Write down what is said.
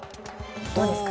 どうですか？